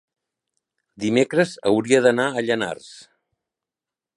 dimecres hauria d'anar a Llanars.